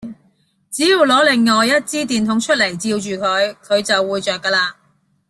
只要攞另外一支電筒出嚟，照住佢，佢就會著架喇